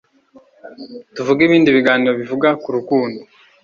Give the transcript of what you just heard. tuvuge ibindi biganiro bivuga ku rukundo